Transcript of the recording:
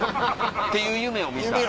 っていう夢を見た？